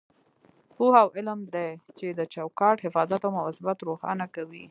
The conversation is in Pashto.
پوهه او علم دی چې د چوکاټ حفاظت او مواظبت روښانه کوي.